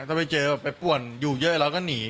ถ้าไปเจอไปป่วนอยู่เยอะแล้วก็หนี